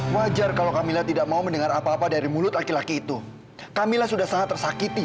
mama terpaksa melakukan semua ini